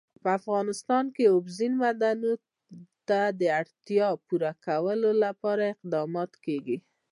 په افغانستان کې د اوبزین معدنونه د اړتیاوو پوره کولو لپاره اقدامات کېږي.